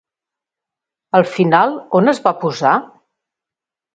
Al final on es va posar?